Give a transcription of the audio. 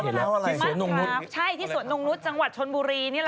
ที่สวนทนุงนุษย์นี่ล่ะค่ะ